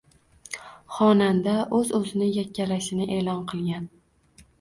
Xonanda o‘z o‘zini yakkalashini e’lon qilgan